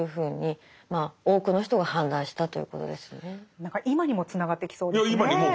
何か今にもつながってきそうですね。